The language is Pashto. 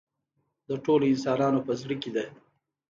د ټولو انسانانو په زړه کې ده.